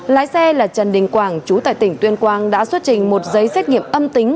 lái xe là trần đình quảng chú tại tỉnh tuyên quang đã xuất trình một giấy xét nghiệm âm tính